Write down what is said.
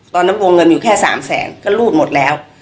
ตอนนั้นวงเงินอยู่แค่สามแสนก็รูดหมดแล้ว